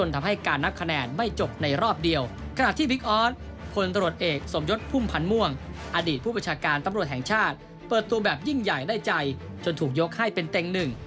ตัวแบบยิ่งใหญ่ได้ใจจนถูกยกให้เป็นเต้งหนึ่ง